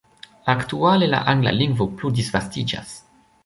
Aktuale la angla lingvo plu disvastiĝas.